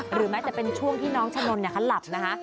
หรือแม้จะเป็นช่วงที่น้องชะนลเนี่ยเขาหลับนะฮะ